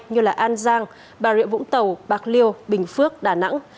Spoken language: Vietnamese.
như an giang bà rịa vũng tàu bạc liêu bình phước đà nẵng